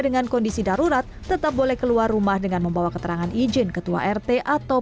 dengan kondisi darurat tetap boleh keluar rumah dengan membawa keterangan izin ketua rt atau